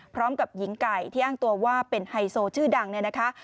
พร้อมกับหญิงไก่ที่อ้างตัวว่าเป็นไฮโซชื่อดังเนี่ยนะคะ